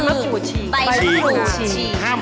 และนี่ก็พริกแกงของร้านเราครับ